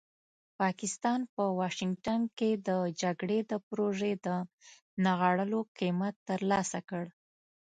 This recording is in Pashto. پاکستان په واشنګټن کې د جګړې د پروژې د نغاړلو قیمت ترلاسه کړ.